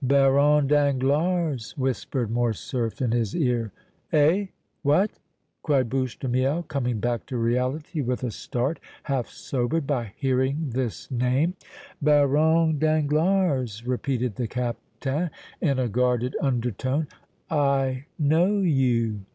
"Baron Danglars!" whispered Morcerf in his ear. "Eh? What?" cried Bouche de Miel, coming back to reality with a start, half sobered by hearing this name. "Baron Danglars," repeated the Captain, in a guarded undertone, "I know you!"